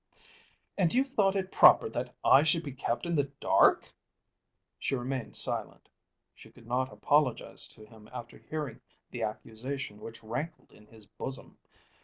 "And you thought it proper that I should be kept in the dark!" She remained silent. She could not apologise to him after hearing the accusation which rankled in his bosom.